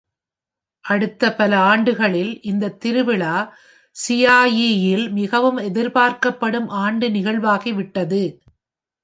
அடுத்த பல ஆண்டுகளில், இந்தத் திருவிழா சியாயி-யில் மிகவும் எதிர்பார்க்கப்படும் ஆண்டு நிகழ்வாகிவிட்டது.